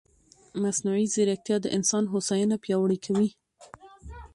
مصنوعي ځیرکتیا د انسان هوساینه پیاوړې کوي.